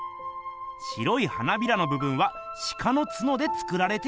白い花びらのぶぶんはシカの角で作られています。